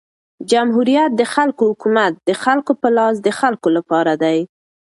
جمهوریت د خلکو حکومت د خلکو په لاس د خلکو له پاره دئ.